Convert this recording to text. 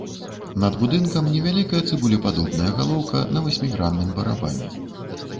Над будынкам невялікая цыбулепадобная галоўка на васьмігранным барабане.